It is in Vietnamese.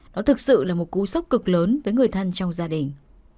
nó thực sự là một cú sốc cực lớn với người thân trong gia đình